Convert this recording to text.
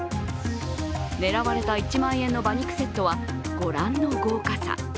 狙われた１万円の馬肉セットはご覧の豪華さ。